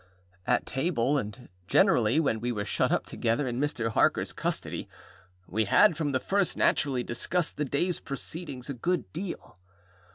At table, and generally when we were shut up together in Mr. Harkerâs custody, we had from the first naturally discussed the dayâs proceedings a good deal.